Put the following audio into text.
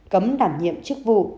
cấm đảm nhiệm chức vụ